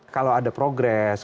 kalau ada progress